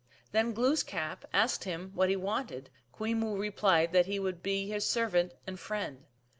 Then Glooskap asking him what he wanted, Kwe moo replied that he would be his ser vant and friend.